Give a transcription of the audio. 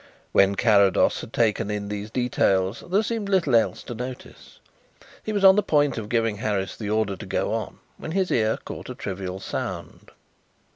When Carrados had taken in these details there seemed little else to notice. He was on the point of giving Harris the order to go on when his ear caught a trivial sound.